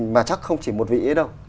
mà chắc không chỉ một vị ấy đâu